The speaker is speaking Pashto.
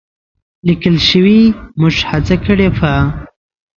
لیکل شوې، موږ هڅه کړې په